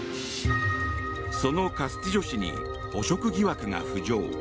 そのカスティジョ氏に汚職疑惑が浮上。